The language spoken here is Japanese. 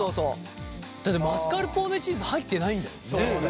だってマスカルポーネチーズ入ってないんだよ？